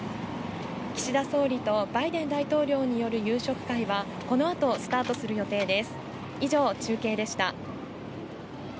岸田総理とバイデン大統領による夕食会は、このあとスタートする予定です。